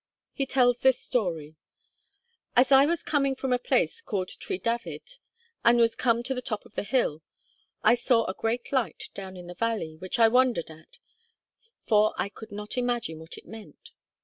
He tells this story: 'As I was coming from a place called Tre Davydd, and was come to the top of the hill, I saw a great light down in the valley, which I wondered at; for I could not imagine what it meant.